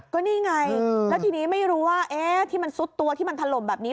ก็นี่ไงแล้วทีนี้ไม่รู้ว่าที่มันซุดตัวที่มันถล่มแบบนี้